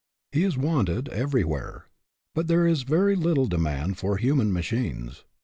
He is wanted every where. But there is very little demand for human machines.